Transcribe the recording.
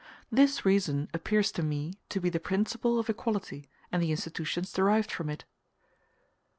This reason appears to me to be the principle of equality and the institutions derived from it.